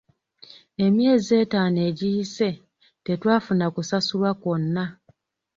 Emyezi etaano egiyise, tetwafuna kusasulwa kwonna.